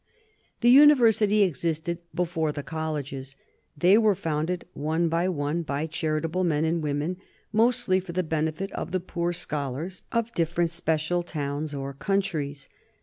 The University existed before the colleges. They were founded, one by one, by charitable men and women, mostly for the benefit of the poor scholars of different special towns or countries.